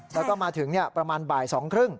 แล้วก็มาถึงประมาณบ่ายสองครึ่ง